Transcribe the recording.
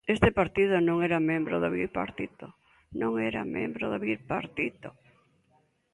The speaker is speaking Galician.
Este partido non era membro do Bipartito, ¡non era membro do Bipartito!